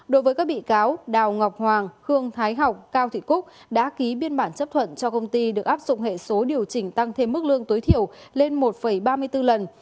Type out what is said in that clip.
đối với các bị cáo đào ngọc hoàng khương thái học cao thị cúc đã ký biên bản chấp thuận cho công ty được áp dụng hệ số điều chỉnh tăng thêm mức lương tối thiểu lên một ba mươi bốn lần